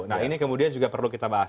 nah ini kemudian juga perlu kita bahas